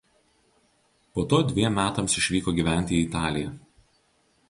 Po to dviem metams išvyko gyventi į Italiją.